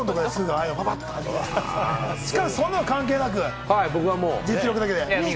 しかし、そんなの関係なく、実力で。